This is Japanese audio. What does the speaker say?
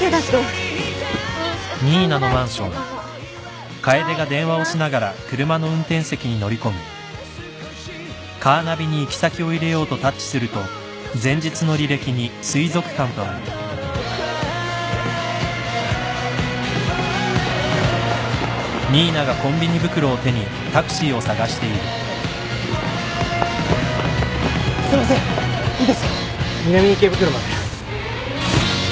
南池袋まで。